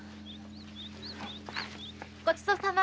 ごちそうさま！